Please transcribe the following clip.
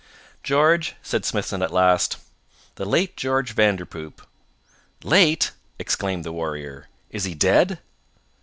"George," said Smithson at last, "the late George Vanderpoop " "Late!" exclaimed the warrior; "is he dead?"